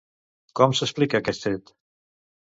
Com s'explica aquest fet?